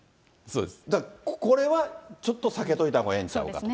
だからこれは、ちょっと避けといたほうがええんちゃうか。